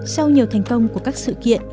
sau nhiều thành công của các sự kiện